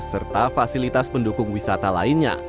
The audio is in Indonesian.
serta fasilitas pendukung wisata lainnya